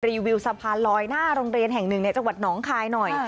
วิวสะพานลอยหน้าโรงเรียนแห่งหนึ่งในจังหวัดหนองคายหน่อย